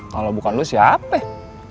kalau bukan lu siapa ya